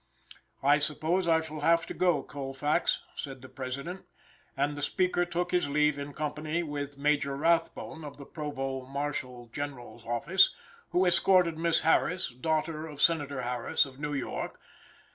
"I suppose I shall have to go, Colfax," said the President, and the Speaker took his leave in company with Major Rathbone, of the Provost Marshal General's office, who escorted Miss Harris, daughter of Senator Harris, of New York.